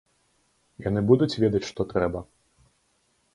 Яны будуць ведаць, што трэба?